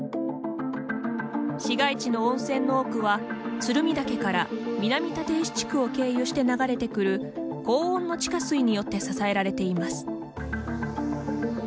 市街地の温泉の多くは鶴見岳から南立石地区を経由して流れてくる高温の地下水によって支えられています。